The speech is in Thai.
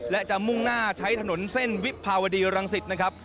และจะมุ่งหน้าใช้ถนนเส้นวิภาวดีรังสิตนะครับ